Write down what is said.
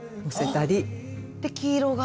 で黄色が。